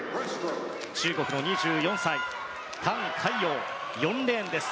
中国の２４歳タン・カイヨウは４レーンです。